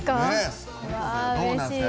どうなんですか？